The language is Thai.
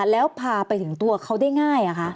แล้วพาไปถึงตัวเขาได้ง่าย